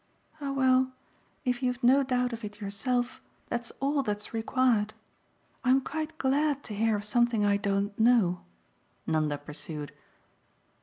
"Ah well, if you've no doubt of it yourself that's all that's required. I'm quite GLAD to hear of something I don't know," Nanda pursued.